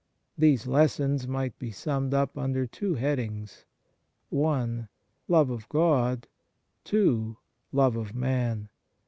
These lessons might be summed up under two headings: (i) love of God; (2) love of man.